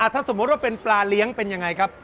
ถ้าสมมุติว่าเป็นปลาเลี้ยงเป็นยังไงครับ